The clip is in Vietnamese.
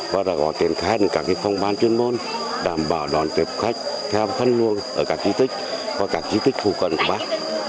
và gọi tiền khai đến các phong bán chuyên môn đảm bảo đoàn tiệp khách theo khăn luôn ở các di tích và các di tích phù cận của bác